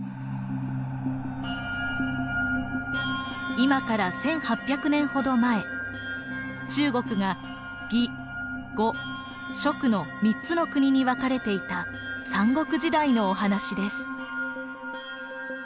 今から１，８００年ほど前中国が魏呉蜀の３つの国に分かれていた三国時代のお話です。